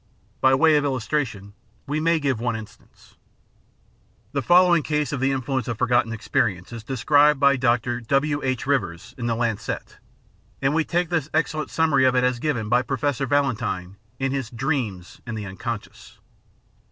By way of illustration we may give one instance : The following case of the influence of forgotten experience is described by Dr. W. H. Rivers in the Lancet, and we take this excellent summary of it as given by Professor Valentine in his Dreams and the Unconscious.